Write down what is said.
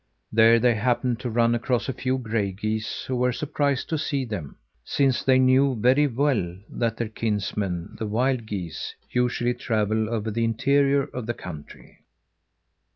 There they happened to run across a few gray geese, who were surprised to see them since they knew very well that their kinsmen, the wild geese, usually travel over the interior of the country.